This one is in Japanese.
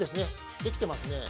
できてますね。